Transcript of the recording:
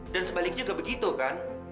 dan sebaliknya juga begitu kan